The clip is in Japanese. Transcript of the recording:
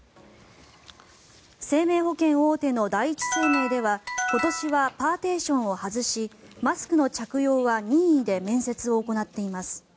生命保険大手の第一生命では今年はパーティションを外しマスクの着用は任意で面接を行っています。